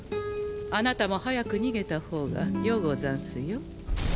あなたも早く逃げた方がようござんすよ。